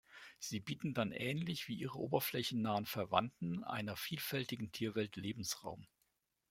Sie bieten dann ähnlich wie ihre oberflächennahen Verwandten einer vielfältigen Tierwelt Lebensraum.